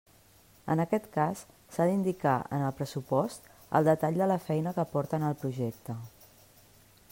En aquest cas, s'ha d'indicar en el pressupost el detall de la feina que aporten al projecte.